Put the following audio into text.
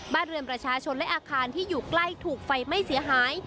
บ้านเรือนประชาชนและอาคารที่อยู่ใกล้ถูกไฟไหม้เสียหาย